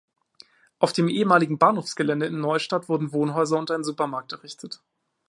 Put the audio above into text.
Auf dem ehemaligen Bahnhofsgelände in Neustadt wurden Wohnhäuser und ein Supermarkt errichtet.